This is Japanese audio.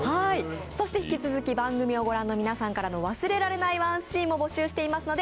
そして引き続き番組を御覧の皆さんから、「忘れられない１シーン」も募集しています。